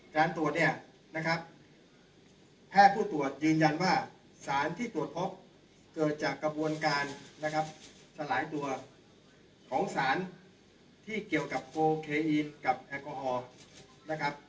การตรวจเนี่ยนะครับแพทย์ผู้ตรวจยืนยันว่าสารที่ตรวจพบเกิดจากกระบวนการนะครับสลายตัวของสารที่เกี่ยวกับโคเคอีนกับแอลกอฮอล์นะครับ